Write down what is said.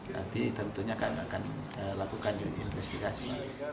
tapi tentunya kami akan lakukan investigasi